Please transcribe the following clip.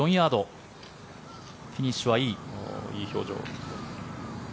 フィニッシュはいい。